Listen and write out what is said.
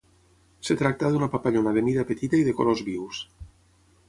Es tracta d'una papallona de mida petita i de colors vius.